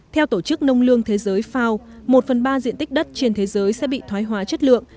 theo tổ chức nông lương thế giới fao một phần ba diện tích đất trên thế giới sẽ bị thoái hóa chất lượng